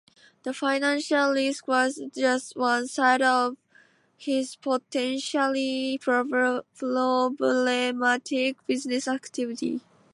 The financial risk was just one side of his potentially problematic business activity.